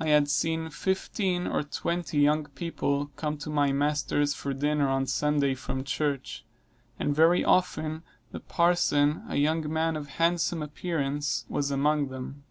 I have seen fifteen or twenty young people come to my master's for dinner on Sunday from church; and very often the parson, a young man of handsome appearance, was among them.